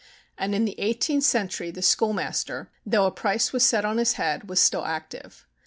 And in the eighteenth century the schoolmaster, though a price was set on his head, was still active.